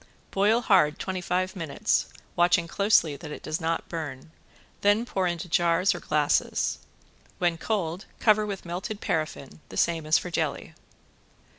Boil hard twenty five minutes, watching closely that it does not burn, then pour into jars or glasses. When cold cover with melted paraffin, the same as for jelly.